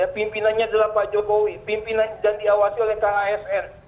pimpinannya adalah pak jokowi pimpinan yang diawasi oleh kasn